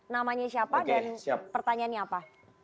namanya siapa dan pertanyaannya apa